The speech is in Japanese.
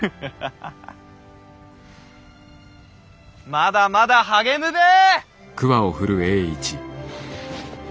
まだまだ励むべぇ。